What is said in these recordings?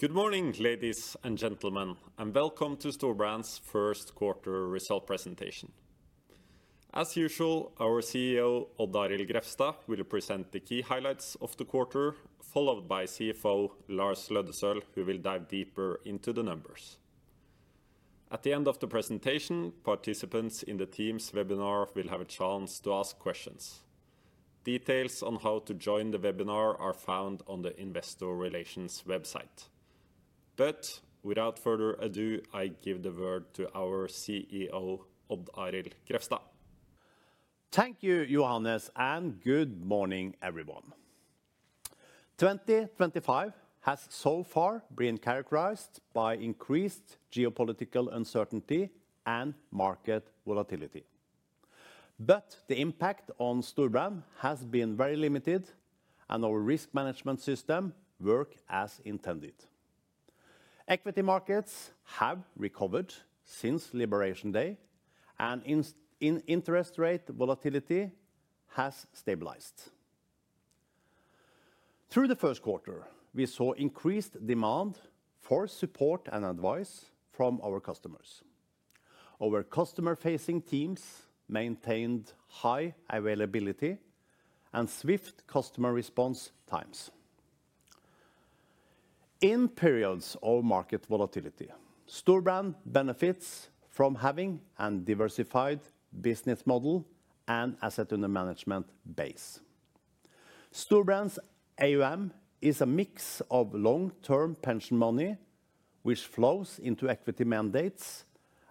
Good morning, ladies and gentlemen, and welcome to Storebrand's First Quarter Result Presentation. As usual, our CEO, Odd Arild Grefstad, will present the key highlights of the quarter, followed by CFO Lars Aasulv Løddesøl, who will dive deeper into the numbers. At the end of the presentation, participants in the Teams webinar will have a chance to ask questions. Details on how to join the webinar are found on the Investor Relations website. Without further ado, I give the word to our CEO, Odd Arild Grefstad. Thank you, Johannes, and good morning, everyone. 2025 has so far been characterized by increased geopolitical uncertainty and market volatility. The impact on Storebrand has been very limited, and our risk management system worked as intended. Equity markets have recovered since Liberation Day, and interest rate volatility has stabilized. Through the first quarter, we saw increased demand for support and advice from our customers. Our customer-facing teams maintained high availability and swift customer response times. In periods of market volatility, Storebrand benefits from having undiversified business model and asset under management base. Storebrand's AUM is a mix of long-term pension money, which flows into equity mandates,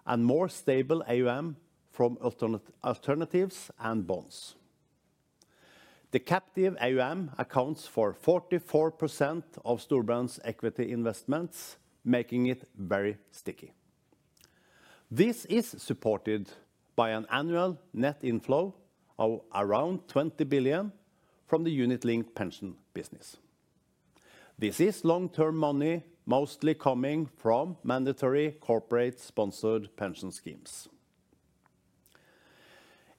and more stable AUM from alternatives and bonds. The captive AUM accounts for 44% of Storebrand's equity investments, making it very sticky. This is supported by an annual net inflow of around 20 billion from the unit-linked pension business. This is long-term money mostly coming from mandatory corporate-sponsored pension schemes.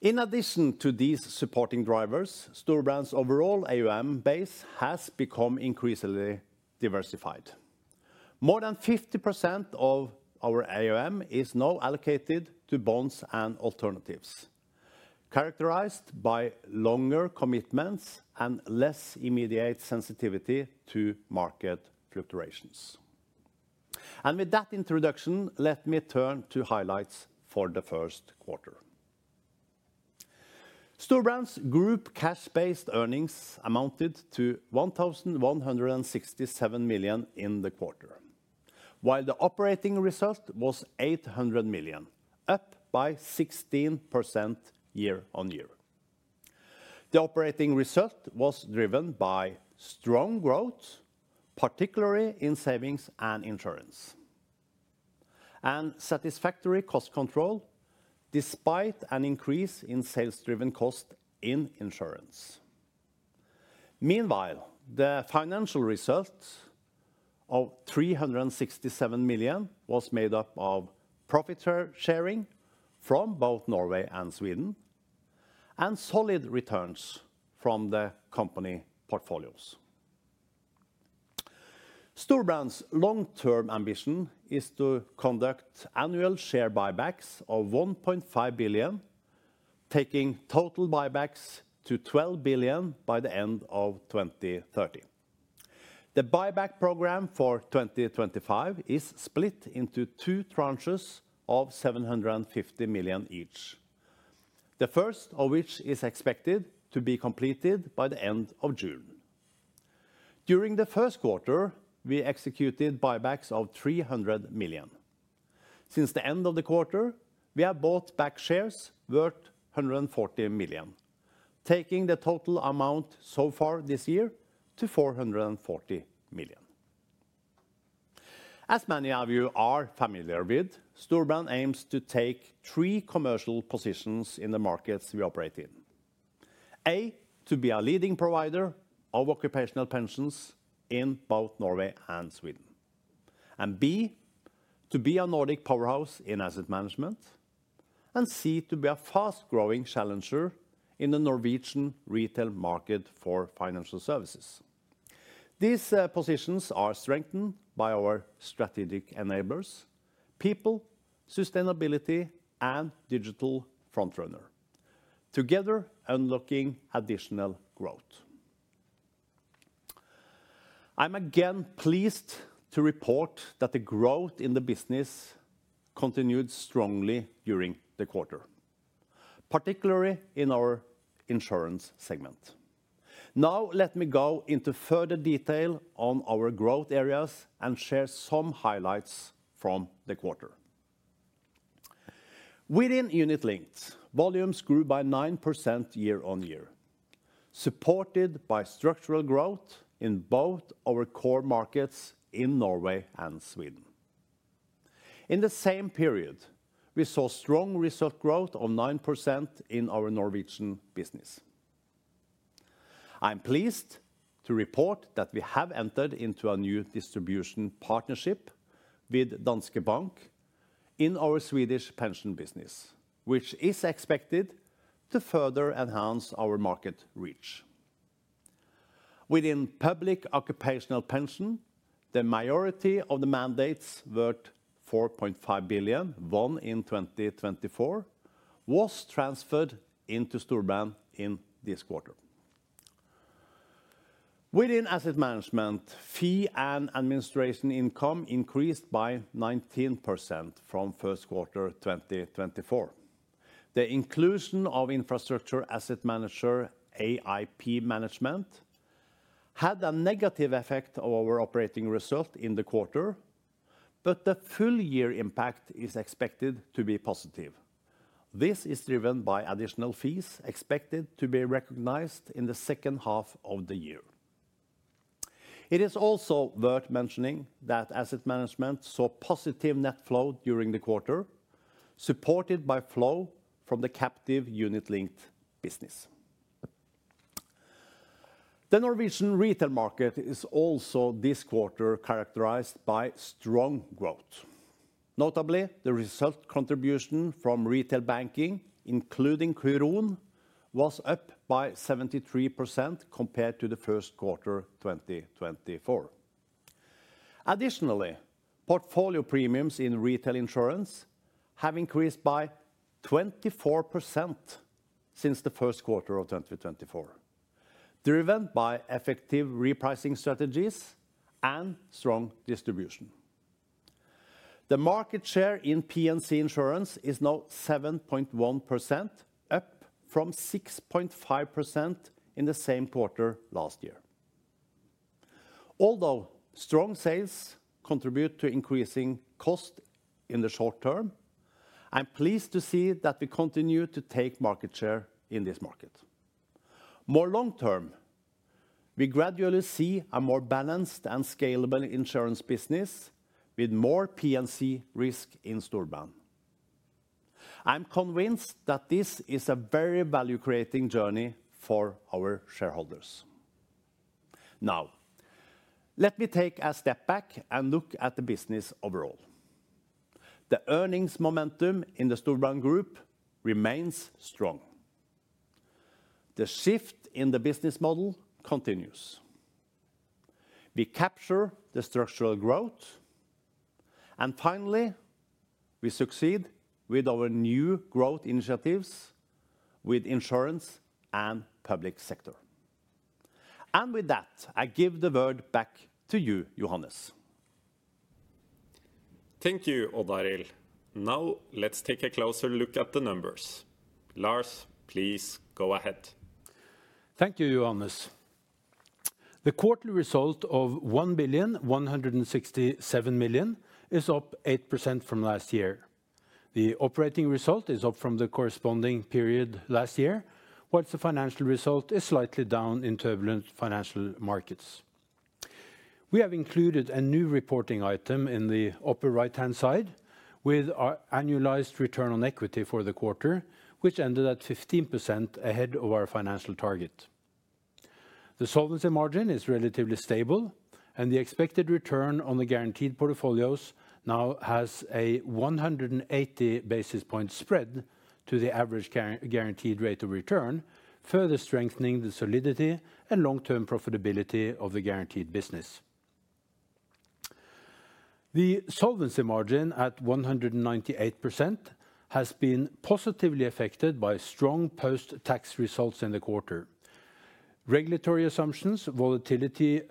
In addition to these supporting drivers, Storebrand's overall AUM base has become increasingly diversified. More than 50% of our AUM is now allocated to bonds and alternatives, characterized by longer commitments and less immediate sensitivity to market fluctuations. With that introduction, let me turn to highlights for the first quarter. Storebrand's group cash-based earnings amounted to 1,167 million in the quarter, while the operating result was 800 million, up by 16% year on year. The operating result was driven by strong growth, particularly in savings and insurance, and satisfactory cost control despite an increase in sales-driven cost in insurance. Meanwhile, the financial result of 367 million was made up of profit sharing from both Norway and Sweden, and solid returns from the company portfolios. Storebrand's long-term ambition is to conduct annual share buybacks of 1.5 billion, taking total buybacks to 12 billion by the end of 2030. The buyback program for 2025 is split into two tranches of 750 million each, the first of which is expected to be completed by the end of June. During the first quarter, we executed buybacks of 300 million. Since the end of the quarter, we have bought back shares worth 140 million, taking the total amount so far this year to 440 million. As many of you are familiar with, Storebrand aims to take three commercial positions in the markets we operate in: A, to be a leading provider of occupational pensions in both Norway and Sweden; and B, to be a Nordic powerhouse in asset management; and C, to be a fast-growing challenger in the Norwegian retail market for financial services. These positions are strengthened by our strategic enablers: people, sustainability, and digital frontrunner, together unlocking additional growth. I'm again pleased to report that the growth in the business continued strongly during the quarter, particularly in our insurance segment. Now, let me go into further detail on our growth areas and share some highlights from the quarter. Within unit-linked, volumes grew by 9% year on year, supported by structural growth in both our core markets in Norway and Sweden. In the same period, we saw strong result growth of 9% in our Norwegian business. I'm pleased to report that we have entered into a new distribution partnership with Danske Bank in our Swedish pension business, which is expected to further enhance our market reach. Within public occupational pension, the majority of the mandates worth 4.5 billion won in 2024 was transferred into Storebrand in this quarter. Within asset management, fee and administration income increased by 19% from first quarter 2024. The inclusion of infrastructure asset manager AIP Management had a negative effect on our operating result in the quarter, but the full-year impact is expected to be positive. This is driven by additional fees expected to be recognized in the second half of the year. It is also worth mentioning that asset management saw positive net flow during the quarter, supported by flow from the captive unit-linked business. The Norwegian retail market is also this quarter characterized by strong growth. Notably, the result contribution from retail banking, including Kron, was up by 73% compared to the first quarter 2024. Additionally, portfolio premiums in retail insurance have increased by 24% since the first quarter of 2024, driven by effective repricing strategies and strong distribution. The market share in P&C insurance is now 7.1%, up from 6.5% in the same quarter last year. Although strong sales contribute to increasing cost in the short term, I'm pleased to see that we continue to take market share in this market. More long-term, we gradually see a more balanced and scalable insurance business with more P&C risk in Storebrand. I'm convinced that this is a very value-creating journey for our shareholders. Now, let me take a step back and look at the business overall. The earnings momentum in the Storebrand Group remains strong. The shift in the business model continues. We capture the structural growth. Finally, we succeed with our new growth initiatives with insurance and public sector. With that, I give the word back to you, Johannes. Thank you, Odd Arild. Now, let's take a closer look at the numbers. Lars, please go ahead. Thank you, Johannes. The quarterly result of 1,167 million is up 8% from last year. The operating result is up from the corresponding period last year, while the financial result is slightly down in turbulent financial markets. We have included a new reporting item in the upper right-hand side with our annualized return on equity for the quarter, which ended at 15% ahead of our financial target. The solvency margin is relatively stable, and the expected return on the guaranteed portfolios now has a 180 basis point spread to the average guaranteed rate of return, further strengthening the solidity and long-term profitability of the guaranteed business. The solvency margin at 198% has been positively affected by strong post-tax results in the quarter. Regulatory assumptions, volatility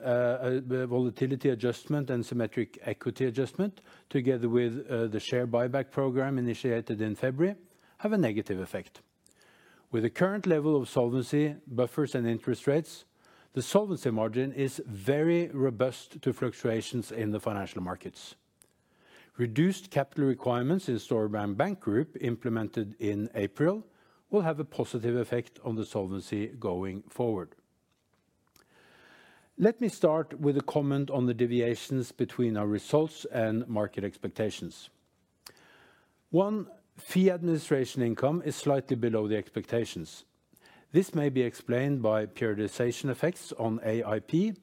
adjustment, and symmetric equity adjustment, together with the share buyback program initiated in February, have a negative effect. With the current level of solvency, buffers, and interest rates, the solvency margin is very robust to fluctuations in the financial markets. Reduced capital requirements in Storebrand Bank Group, implemented in April, will have a positive effect on the solvency going forward. Let me start with a comment on the deviations between our results and market expectations. One, fee administration income is slightly below the expectations. This may be explained by periodization effects on AIP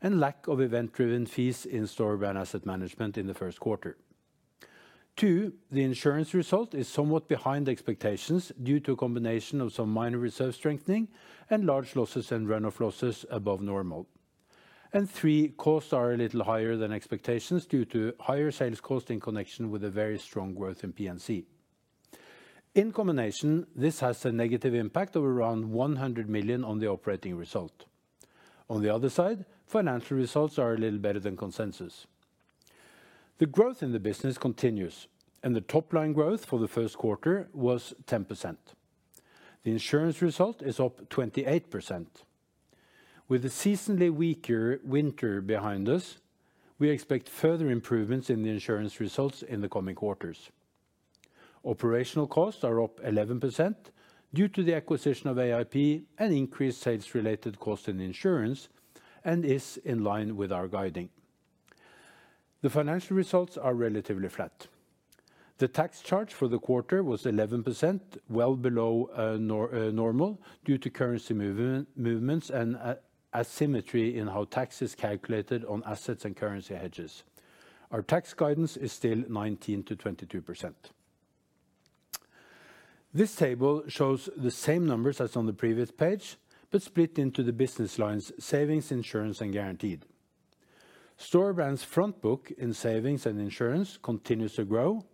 and lack of event-driven fees in Storebrand asset management in the first quarter. Two, the insurance result is somewhat behind expectations due to a combination of some minor reserve strengthening and large losses and runoff losses above normal. Three, costs are a little higher than expectations due to higher sales cost in connection with a very strong growth in P&C. In combination, this has a negative impact of around 100 million on the operating result. On the other side, financial results are a little better than consensus. The growth in the business continues, and the top-line growth for the first quarter was 10%. The insurance result is up 28%. With the seasonally weaker winter behind us, we expect further improvements in the insurance results in the coming quarters. Operational costs are up 11% due to the acquisition of AIP Management and increased sales-related cost in insurance, and this is in line with our guiding. The financial results are relatively flat. The tax charge for the quarter was 11%, well below normal due to currency movements and asymmetry in how tax is calculated on assets and currency hedges. Our tax guidance is still 19%-22%. This table shows the same numbers as on the previous page, but split into the business lines: savings, insurance, and guaranteed. Storebrand's front book in savings and insurance continues to grow,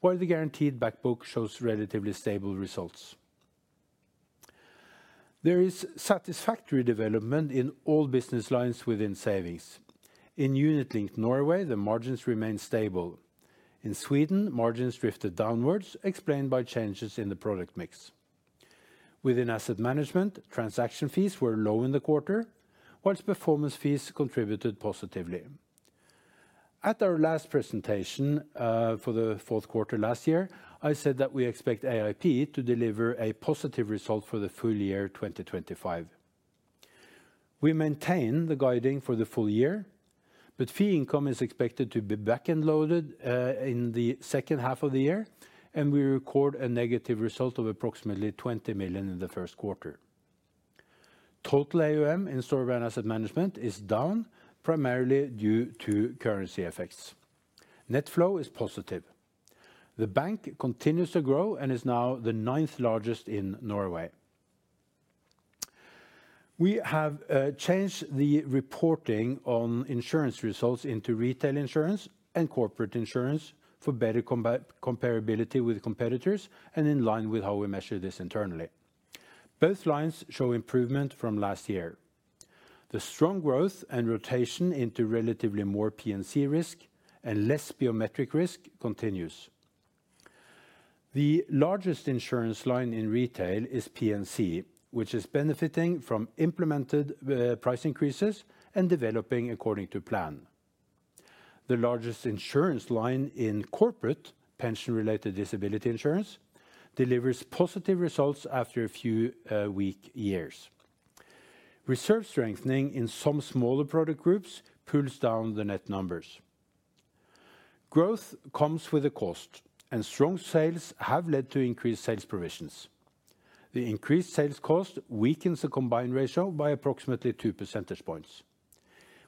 while the guaranteed back book shows relatively stable results. There is satisfactory development in all business lines within savings. In unit-linked Norway, the margins remain stable. In Sweden, margins drifted downwards, explained by changes in the product mix. Within asset management, transaction fees were low in the quarter, while performance fees contributed positively. At our last presentation for the fourth quarter last year, I said that we expect AIP to deliver a positive result for the full year 2025. We maintain the guiding for the full year, but fee income is expected to be back-end loaded in the second half of the year, and we record a negative result of approximately 20 million in the first quarter. Total AUM in Storebrand asset management is down, primarily due to currency effects. Net flow is positive. The bank continues to grow and is now the ninth largest in Norway. We have changed the reporting on insurance results into retail insurance and corporate insurance for better comparability with competitors and in line with how we measure this internally. Both lines show improvement from last year. The strong growth and rotation into relatively more P&C risk and less biometric risk continues. The largest insurance line in retail is P&C, which is benefiting from implemented price increases and developing according to plan. The largest insurance line in corporate pension-related disability insurance delivers positive results after a few weak years. Reserve strengthening in some smaller product groups pulls down the net numbers. Growth comes with a cost, and strong sales have led to increased sales provisions. The increased sales cost weakens the combined ratio by approximately 2 percentage points.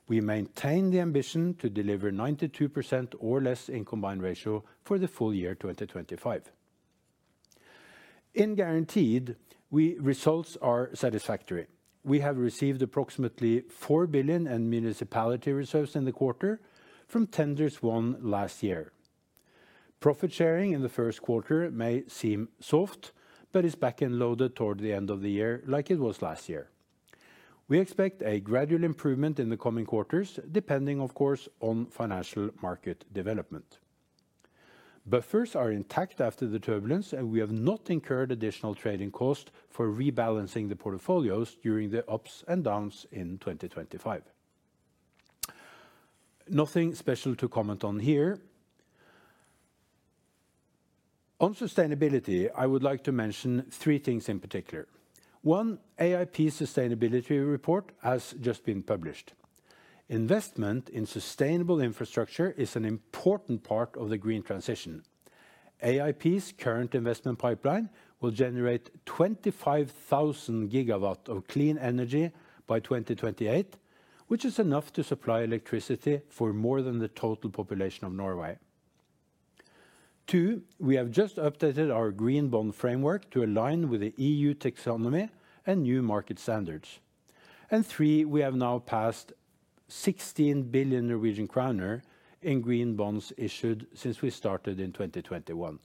We maintain the ambition to deliver 92% or less in combined ratio for the full year 2025. In guaranteed, we results are satisfactory. We have received approximately 4 billion in municipality reserves in the quarter from tenders won last year. Profit sharing in the first quarter may seem soft, but is back-end loaded toward the end of the year like it was last year. We expect a gradual improvement in the coming quarters, depending, of course, on financial market development. Buffers are intact after the turbulence, and we have not incurred additional trading cost for rebalancing the portfolios during the ups and downs in 2025. Nothing special to comment on here. On sustainability, I would like to mention three things in particular. One, AIP sustainability report has just been published. Investment in sustainable infrastructure is an important part of the green transition. AIP's current investment pipeline will generate 25,000 gigawatts of clean energy by 2028, which is enough to supply electricity for more than the total population of Norway. Two, we have just updated our green bond framework to align with the EU taxonomy and new market standards. Three, we have now passed 16 billion Norwegian kroner in green bonds issued since we started in 2021.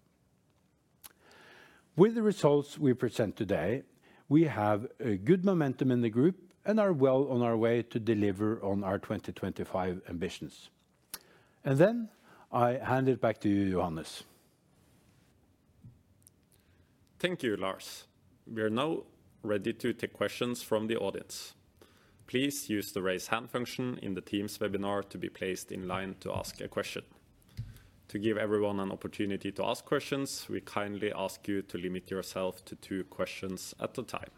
With the results we present today, we have good momentum in the group and are well on our way to deliver on our 2025 ambitions. I hand it back to you, Johannes. Thank you, Lars. We are now ready to take questions from the audience. Please use the raise hand function in the Teams webinar to be placed in line to ask a question. To give everyone an opportunity to ask questions, we kindly ask you to limit yourself to two questions at a time.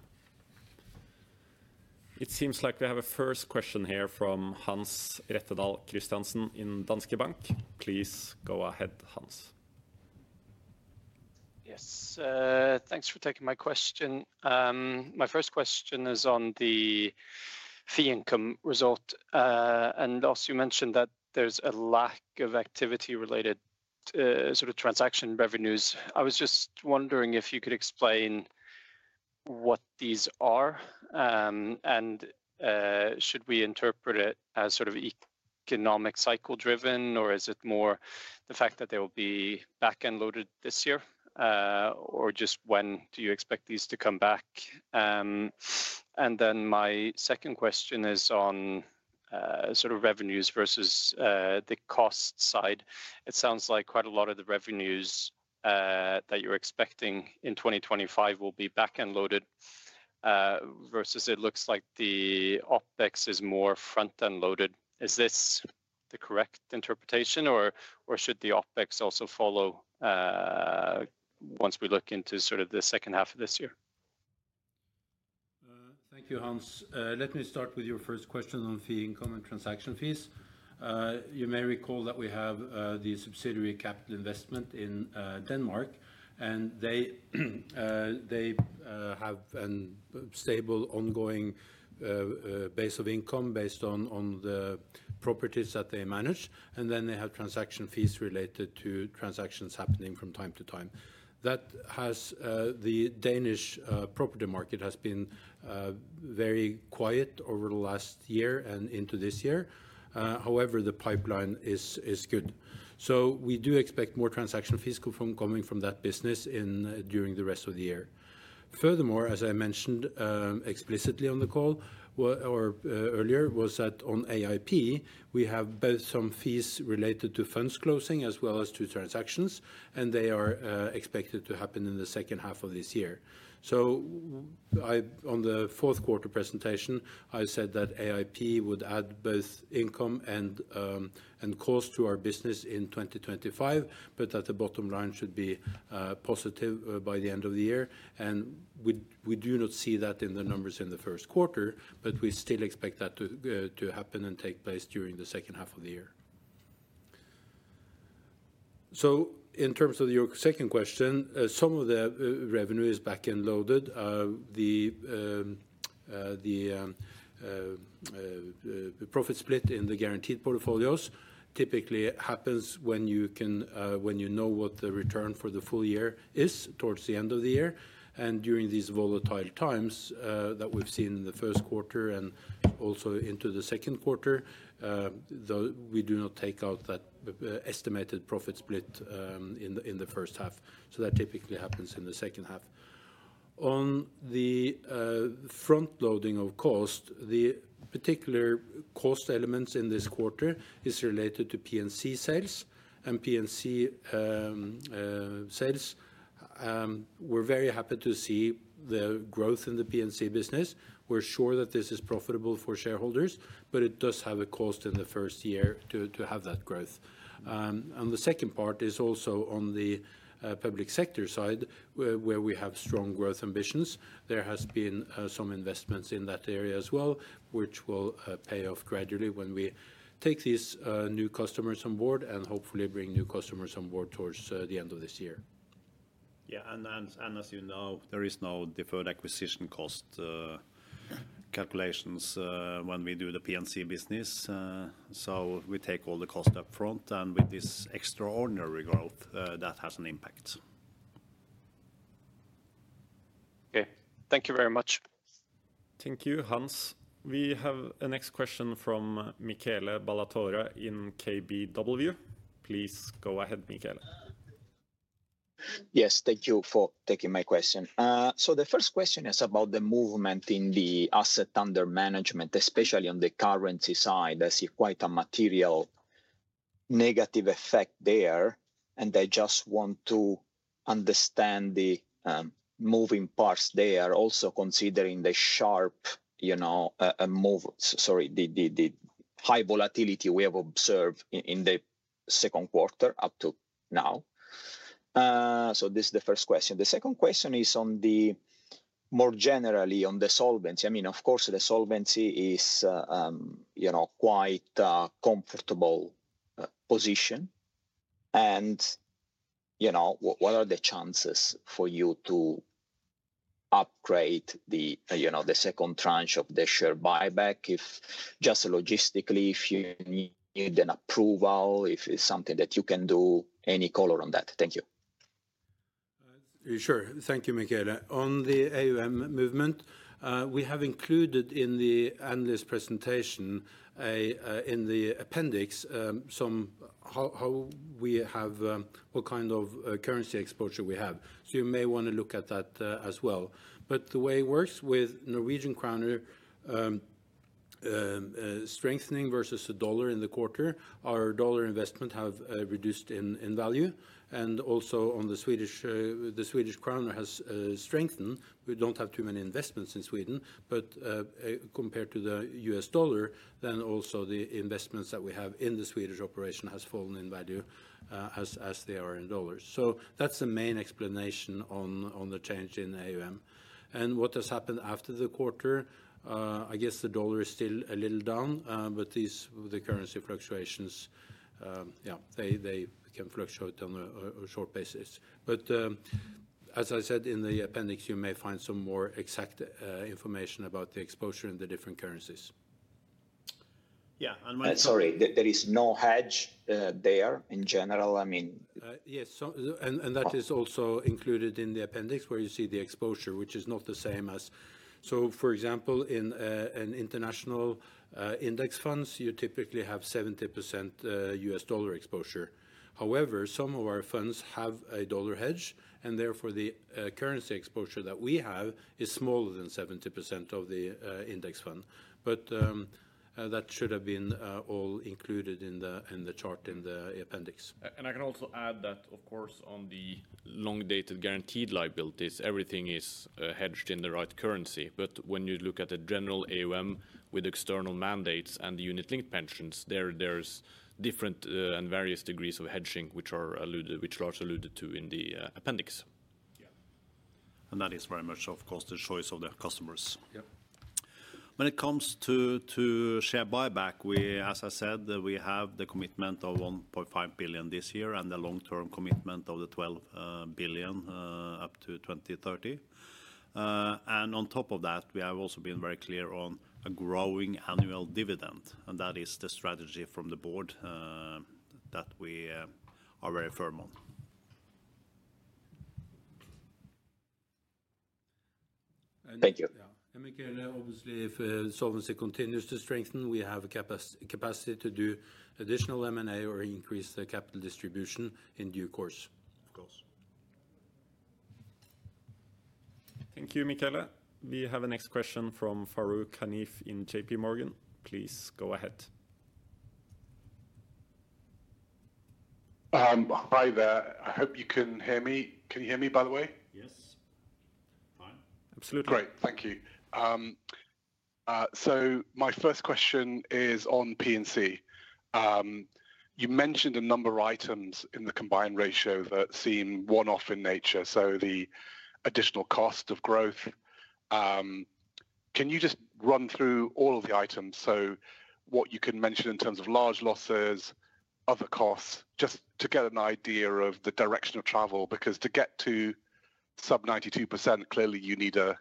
It seems like we have a first question here from Hans Rettedal Christiansen in Danske Bank. Please go ahead, Hans. Yes, thanks for taking my question. My first question is on the fee income result. Lars, you mentioned that there's a lack of activity-related sort of transaction revenues. I was just wondering if you could explain what these are, and should we interpret it as sort of economic cycle-driven, or is it more the fact that they will be back-end loaded this year, or just when do you expect these to come back? My second question is on sort of revenues versus the cost side. It sounds like quite a lot of the revenues that you're expecting in 2025 will be back-end loaded versus it looks like the OpEx is more front-end loaded. Is this the correct interpretation, or should the OpEx also follow once we look into sort of the second half of this year? Thank you, Hans. Let me start with your first question on fee income and transaction fees. You may recall that we have the subsidiary capital investment in Denmark, and they have a stable ongoing base of income based on the properties that they manage, and then they have transaction fees related to transactions happening from time to time. The Danish property market has been very quiet over the last year and into this year. However, the pipeline is good. We do expect more transaction fees coming from that business during the rest of the year. Furthermore, as I mentioned explicitly on the call earlier, on AIP, we have both some fees related to funds closing as well as to transactions, and they are expected to happen in the second half of this year. On the fourth quarter presentation, I said that AIP would add both income and cost to our business in 2025, but that the bottom line should be positive by the end of the year. We do not see that in the numbers in the first quarter, but we still expect that to happen and take place during the second half of the year. In terms of your second question, some of the revenue is back-end loaded. The profit split in the guaranteed portfolios typically happens when you know what the return for the full year is towards the end of the year. During these volatile times that we have seen in the first quarter and also into the second quarter, we do not take out that estimated profit split in the first half. That typically happens in the second half. On the front loading of cost, the particular cost elements in this quarter are related to P&C sales. P&C sales, we're very happy to see the growth in the P&C business. We're sure that this is profitable for shareholders, but it does have a cost in the first year to have that growth. The second part is also on the public sector side, where we have strong growth ambitions. There has been some investments in that area as well, which will pay off gradually when we take these new customers on board and hopefully bring new customers on board towards the end of this year. Yeah, and as you know, there is no deferred acquisition cost calculations when we do the P&C business. We take all the cost upfront, and with this extraordinary growth, that has an impact. Okay, thank you very much. Thank you, Hans. We have a next question from Michele Ballatore in KBW. Please go ahead, Michele. Yes, thank you for taking my question. The first question is about the movement in the assets under management, especially on the currency side. I see quite a material negative effect there, and I just want to understand the moving parts there, also considering the sharp move, sorry, the high volatility we have observed in the second quarter up to now. This is the first question. The second question is more generally on the solvency. I mean, of course, the solvency is quite a comfortable position. What are the chances for you to upgrade the second tranche of the share buyback, just logistically, if you need an approval, if it is something that you can do, any color on that? Thank you. Sure, thank you, Michele. On the AUM movement, we have included in the analyst presentation, in the appendix, how we have what kind of currency exposure we have. You may want to look at that as well. The way it works with Norwegian krona strengthening versus the dollar in the quarter, our dollar investment has reduced in value. Also, the Swedish krona has strengthened. We do not have too many investments in Sweden, but compared to the US dollar, the investments that we have in the Swedish operation have fallen in value as they are in dollars. That is the main explanation on the change in AUM. What has happened after the quarter, I guess the dollar is still a little down, but the currency fluctuations, yeah, they can fluctuate on a short basis. As I said in the appendix, you may find some more exact information about the exposure in the different currencies. Yeah, and. Sorry, there is no hedge there in general. I mean. Yes, and that is also included in the appendix where you see the exposure, which is not the same as, so for example, in international index funds, you typically have 70% US dollar exposure. However, some of our funds have a dollar hedge, and therefore the currency exposure that we have is smaller than 70% of the index fund. That should have been all included in the chart in the appendix. I can also add that, of course, on the long-dated guaranteed liabilities, everything is hedged in the right currency. When you look at a general AUM with external mandates and unit-linked pensions, there are different and various degrees of hedging, which Lars alluded to in the appendix. That is very much, of course, the choice of the customers. When it comes to share buyback, as I said, we have the commitment of 1.5 billion this year and the long-term commitment of 12 billion up to 2030. On top of that, we have also been very clear on a growing annual dividend. That is the strategy from the board that we are very firm on. Thank you. Yeah, and Michele, obviously, if solvency continues to strengthen, we have a capacity to do additional M&A or increase the capital distribution in due course. Of course. Thank you, Michele. We have a next question from Farooq Hanif in JP Morgan. Please go ahead. Hi, there. I hope you can hear me. Can you hear me, by the way? Yes. Hi. Absolutely. Great, thank you. My first question is on P&C. You mentioned a number of items in the combined ratio that seem one-off in nature, so the additional cost of growth. Can you just run through all of the items, what you can mention in terms of large losses, other costs, just to get an idea of the direction of travel? Because to get to sub-92%, clearly you need a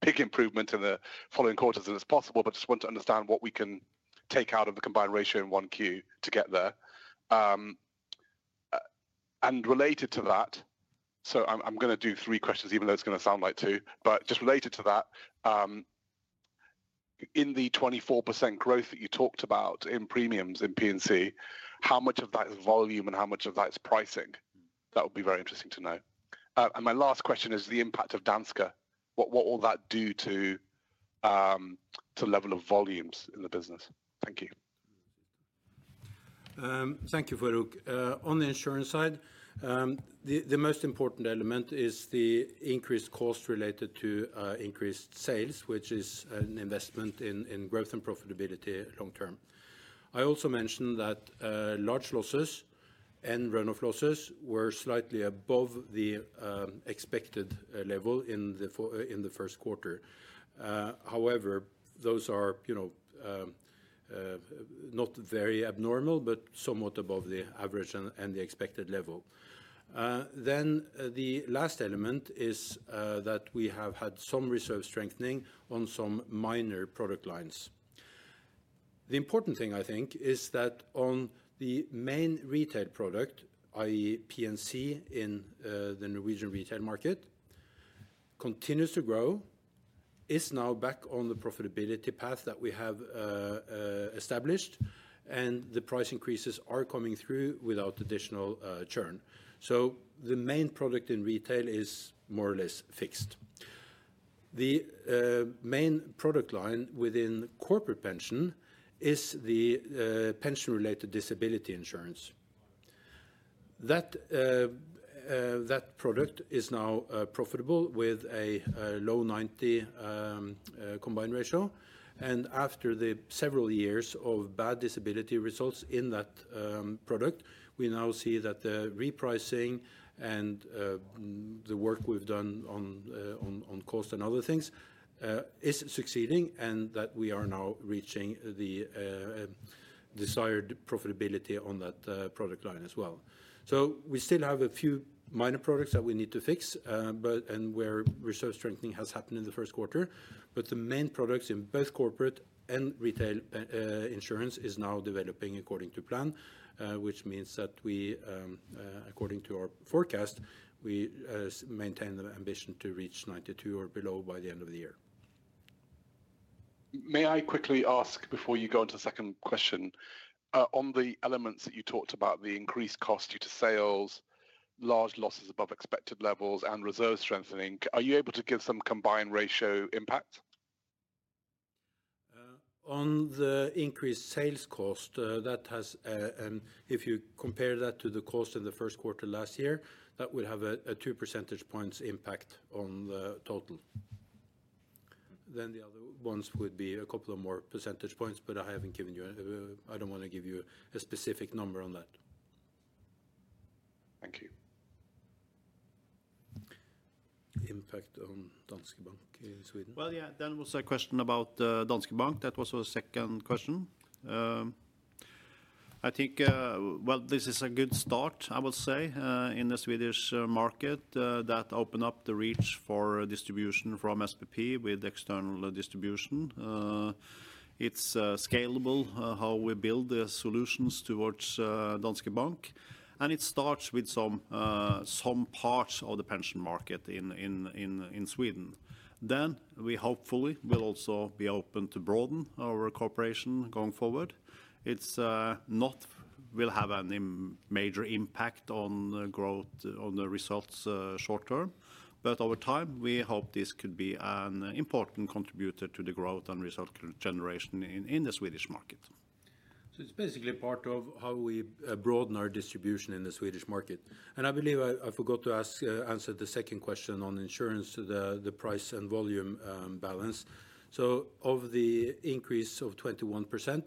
big improvement in the following quarters if it's possible, but I just want to understand what we can take out of the combined ratio in Q1 to get there. Related to that, I am going to do three questions, even though it is going to sound like two, but just related to that, in the 24% growth that you talked about in premiums in P&C, how much of that is volume and how much of that is pricing? That would be very interesting to know. My last question is the impact of Danske. What will that do to the level of volumes in the business? Thank you. Thank you, Farooq. On the insurance side, the most important element is the increased cost related to increased sales, which is an investment in growth and profitability long-term. I also mentioned that large losses and runoff losses were slightly above the expected level in the first quarter. However, those are not very abnormal, but somewhat above the average and the expected level. The last element is that we have had some reserve strengthening on some minor product lines. The important thing, I think, is that on the main retail product, i.e., P&C in the Norwegian retail market, continues to grow, is now back on the profitability path that we have established, and the price increases are coming through without additional churn. The main product in retail is more or less fixed. The main product line within corporate pension is the pension-related disability insurance. That product is now profitable with a low 90% combined ratio. After several years of bad disability results in that product, we now see that the repricing and the work we've done on cost and other things is succeeding and that we are now reaching the desired profitability on that product line as well. We still have a few minor products that we need to fix, and where reserve strengthening has happened in the first quarter. The main products in both corporate and retail insurance are now developing according to plan, which means that we, according to our forecast, maintain the ambition to reach 92% or below by the end of the year. May I quickly ask before you go on to the second question? On the elements that you talked about, the increased cost due to sales, large losses above expected levels, and reserve strengthening, are you able to give some combined ratio impact? On the increased sales cost, that has, and if you compare that to the cost in the first quarter last year, that would have a two percentage points impact on the total. The other ones would be a couple of more percentage points, but I haven't given you, I don't want to give you a specific number on that. Thank you. Impact on Danske Bank in Sweden. Yeah, then there was a question about Danske Bank. That was a second question. I think this is a good start, I would say, in the Swedish market that opened up the reach for distribution from SPP with external distribution. It's scalable how we build the solutions towards Danske Bank. It starts with some parts of the pension market in Sweden. Then we hopefully will also be open to broaden our cooperation going forward. It's not going to have a major impact on growth, on the results short term, but over time, we hope this could be an important contributor to the growth and result generation in the Swedish market. It's basically part of how we broaden our distribution in the Swedish market. I believe I forgot to answer the second question on insurance, the price and volume balance. Of the increase of 21%,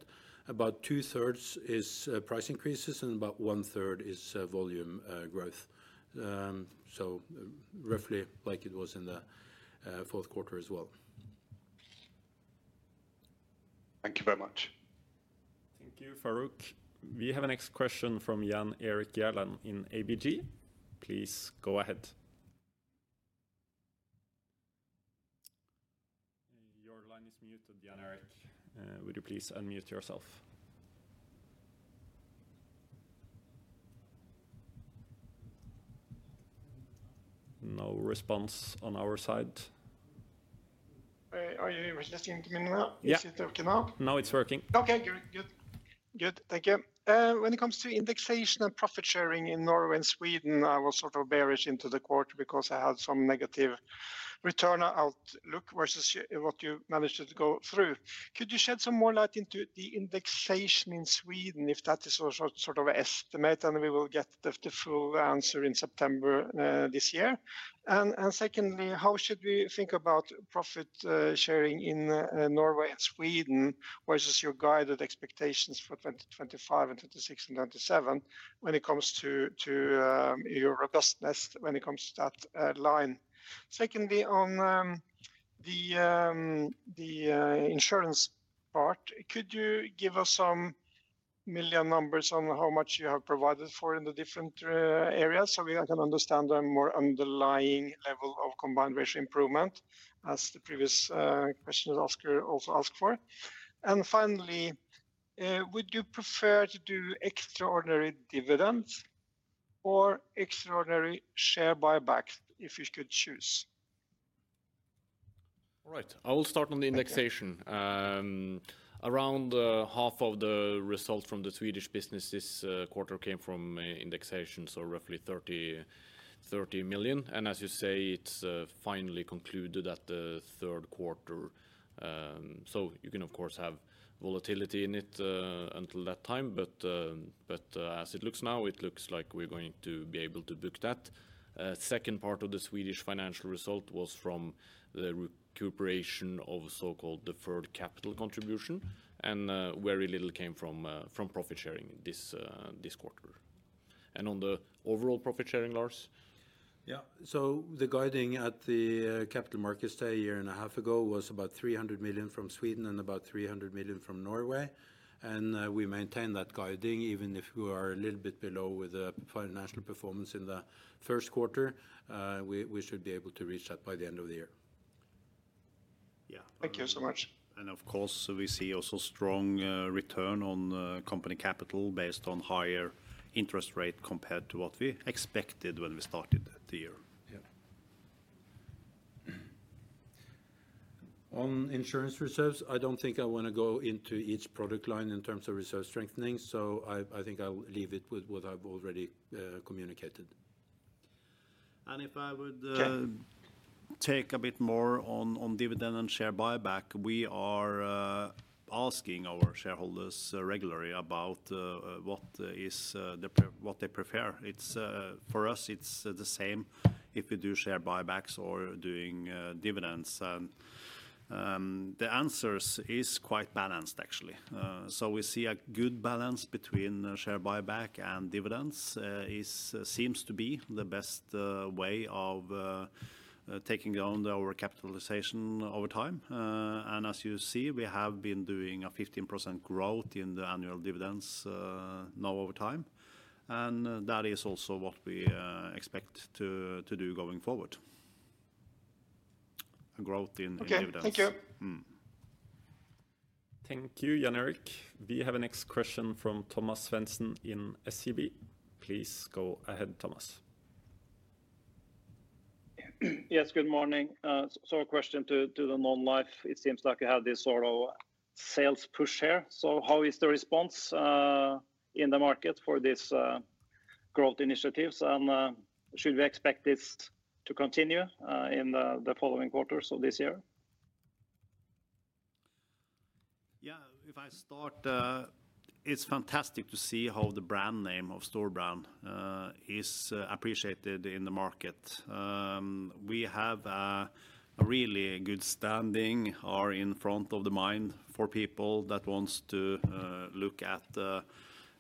about two-thirds is price increases and about one-third is volume growth. Roughly like it was in the fourth quarter as well. Thank you very much. Thank you, Farooq. We have a next question from Jan Erik Gjerland in ABG. Please go ahead. Your line is muted, Jan Erik. Would you please unmute yourself? No response on our side. Are you just in the middle now? Yes. Is it working now? Now it's working. Okay, good. Good. Thank you. When it comes to indexation and profit sharing in Norway and Sweden, I was sort of bearish into the quarter because I had some negative return outlook versus what you managed to go through. Could you shed some more light into the indexation in Sweden, if that is sort of an estimate, and we will get the full answer in September this year? Secondly, how should we think about profit sharing in Norway and Sweden versus your guided expectations for 2025 and 2026 and 2027 when it comes to your robustness when it comes to that line? Secondly, on the insurance part, could you give us some million numbers on how much you have provided for in the different areas so we can understand a more underlying level of combined ratio improvement, as the previous question also asked for? Finally, would you prefer to do extraordinary dividends or extraordinary share buyback if you could choose? All right, I will start on the indexation. Around half of the result from the Swedish business this quarter came from indexation, so roughly 30 million. As you say, it is finally concluded at the third quarter. You can, of course, have volatility in it until that time, but as it looks now, it looks like we are going to be able to book that. The second part of the Swedish financial result was from the recuperation of so-called deferred capital contribution, and very little came from profit sharing this quarter. On the overall profit sharing, Lars? Yeah, so the guiding at the capital markets a year and a half ago was about 300 million from Sweden and about 300 million from Norway. We maintain that guiding even if we are a little bit below with the financial performance in the first quarter, we should be able to reach that by the end of the year. Yeah. Thank you so much. Of course, we see also strong return on company capital based on higher interest rate compared to what we expected when we started the year. On insurance reserves, I do not think I want to go into each product line in terms of reserve strengthening, so I think I will leave it with what I have already communicated. If I would. Take a bit more on dividend and share buyback, we are asking our shareholders regularly about what they prefer. For us, it's the same if we do share buybacks or doing dividends. The answer is quite balanced, actually. We see a good balance between share buyback and dividends seems to be the best way of taking down our capitalization over time. As you see, we have been doing a 15% growth in the annual dividends now over time. That is also what we expect to do going forward. Growth in dividends. Okay, thank you. Thank you, Jan Erik. We have a next question from Thomas Svensson in SEB. Please go ahead, Thomas. Yes, good morning. A question to the non-life. It seems like you have this sort of sales push here. How is the response in the market for these growth initiatives? Should we expect this to continue in the following quarters of this year? Yeah, if I start, it's fantastic to see how the brand name of Storebrand is appreciated in the market. We have a really good standing, are in front of the mind for people that want to look at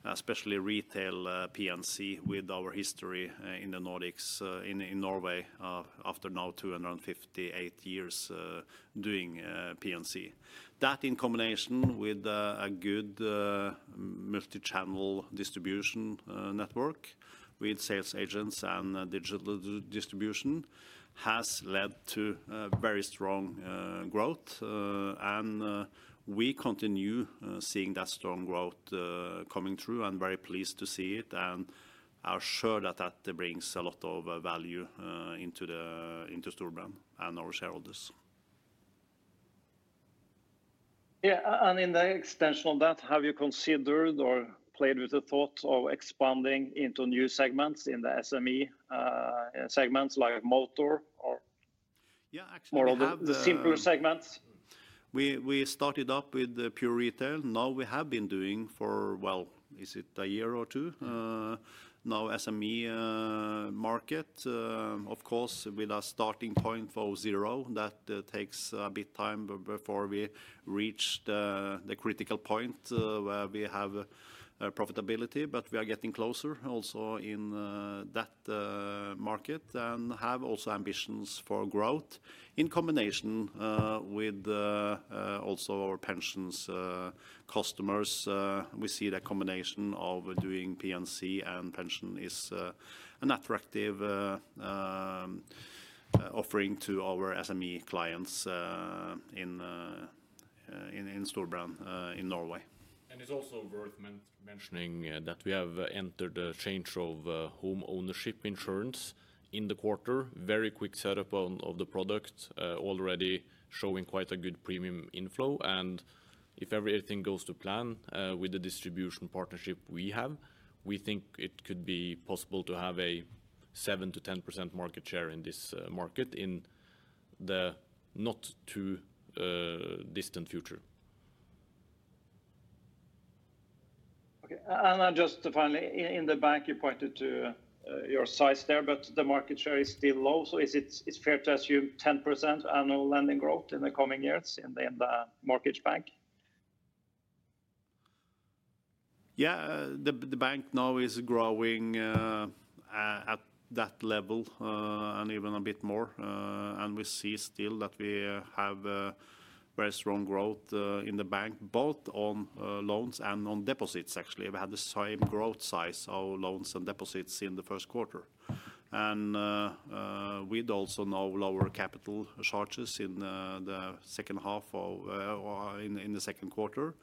especially retail P&C with our history in the Nordics, in Norway, after now 258 years doing P&C. That in combination with a good multi-channel distribution network with sales agents and digital distribution has led to very strong growth. We continue seeing that strong growth coming through and very pleased to see it and are sure that that brings a lot of value into Storebrand and our shareholders. Yeah, and in the extension of that, have you considered or played with the thought of expanding into new segments in the SME segments like motor or more of the simpler segments? We started up with pure retail. Now we have been doing for, is it a year or two? Now SME market, of course, with a starting point from zero, that takes a bit of time before we reach the critical point where we have profitability, but we are getting closer also in that market and have also ambitions for growth in combination with also our pensions customers. We see the combination of doing P&C and pension is an attractive offering to our SME clients in Storebrand in Norway. It is also worth mentioning that we have entered the change of home ownership insurance in the quarter, very quick setup of the product already showing quite a good premium inflow. If everything goes to plan with the distribution partnership we have, we think it could be possible to have a 7-10% market share in this market in the not too distant future. Okay, and just finally, in the bank, you pointed to your size there, but the market share is still low. Is it fair to assume 10% annual lending growth in the coming years in the mortgage bank? Yeah, the bank now is growing at that level and even a bit more. We see still that we have very strong growth in the bank, both on loans and on deposits, actually. We had the same growth size of loans and deposits in the first quarter. With also now lower capital charges in the second half or in the second quarter,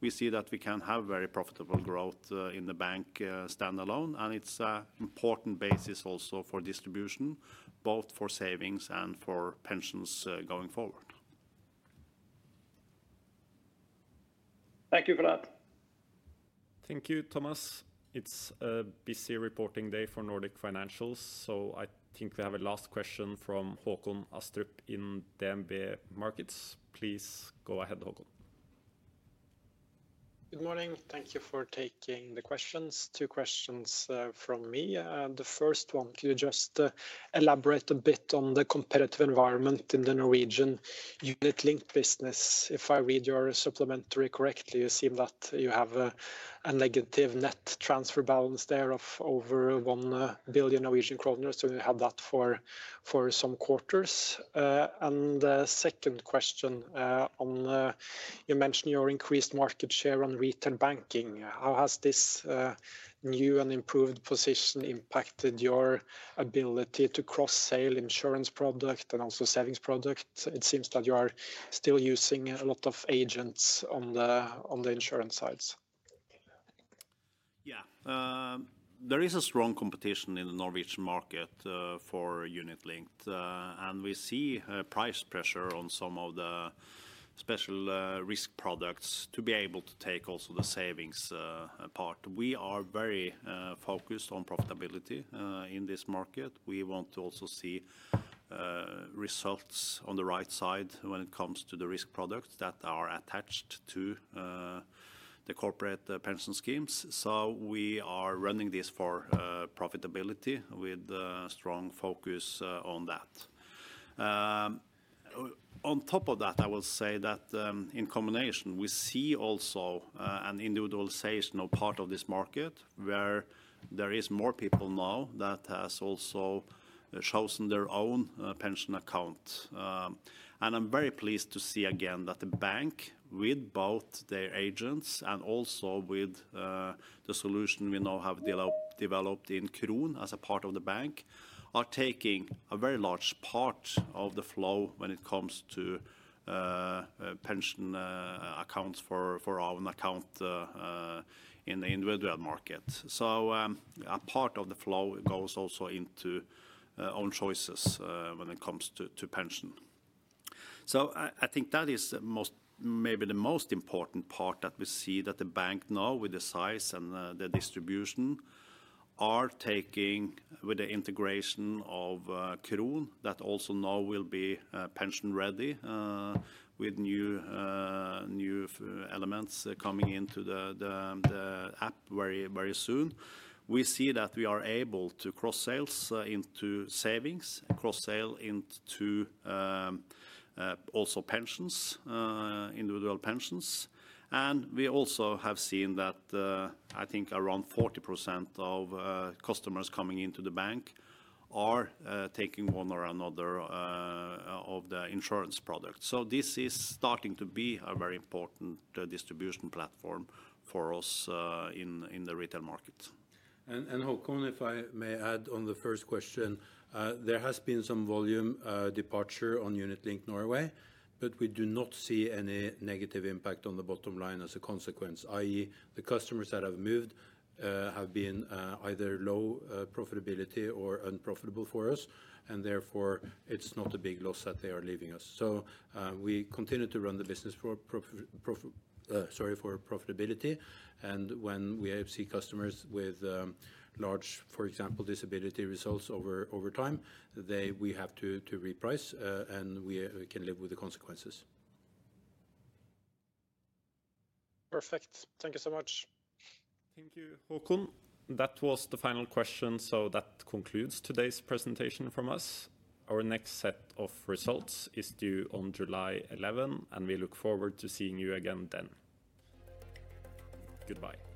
we see that we can have very profitable growth in the bank standalone. It is an important basis also for distribution, both for savings and for pensions going forward. Thank you for that. Thank you, Thomas. It's a busy reporting day for Nordic Financials. I think we have a last question from Håkon Astrup in DNB Markets. Please go ahead, Håkon. Good morning. Thank you for taking the questions. Two questions from me. The first one, could you just elaborate a bit on the competitive environment in the Norwegian unit-linked business? If I read your supplementary correctly, you seem that you have a negative net transfer balance there of over 1 billion Norwegian kroner, so you have that for some quarters. The second question, you mentioned your increased market share on retail banking. How has this new and improved position impacted your ability to cross-sell insurance product and also savings product? It seems that you are still using a lot of agents on the insurance sides. Yeah, there is a strong competition in the Norwegian market for unit-linked, and we see price pressure on some of the special risk products to be able to take also the savings part. We are very focused on profitability in this market. We want to also see results on the right side when it comes to the risk products that are attached to the corporate pension schemes. We are running this for profitability with strong focus on that. On top of that, I will say that in combination, we see also an individualization of part of this market where there are more people now that have also chosen their own pension account. I'm very pleased to see again that the bank, with both their agents and also with the solution we now have developed in Kron as a part of the bank, are taking a very large part of the flow when it comes to pension accounts for our own account in the individual market. A part of the flow goes also into own choices when it comes to pension. I think that is maybe the most important part, that we see that the bank now, with the size and the distribution, are taking with the integration of Kron that also now will be pension-ready with new elements coming into the app very soon. We see that we are able to cross-sale into savings, cross-sale into also pensions, individual pensions. We also have seen that I think around 40% of customers coming into the bank are taking one or another of the insurance products. This is starting to be a very important distribution platform for us in the retail market. Håkon, if I may add on the first question, there has been some volume departure on unit-linked Norway, but we do not see any negative impact on the bottom line as a consequence, i.e., the customers that have moved have been either low profitability or unprofitable for us, and therefore it is not a big loss that they are leaving us. We continue to run the business for profitability. When we see customers with large, for example, disability results over time, we have to reprice, and we can live with the consequences. Perfect. Thank you so much. Thank you, Håkon. That was the final question, so that concludes today's presentation from us. Our next set of results is due on July 11, and we look forward to seeing you again then. Goodbye.